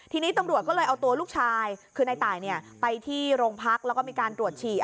ทีนี้ตำรวจก็เลยเอาตัวลูกชายคือในตายไปที่โรงพักแล้วก็มีการตรวจฉี่